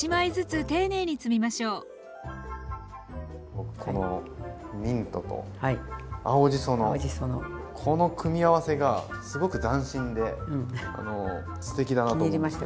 僕このミントと青じその組み合わせがすごく斬新ですてきだなと思って。